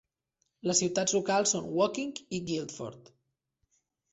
Les ciutats locals són Woking i Guildford.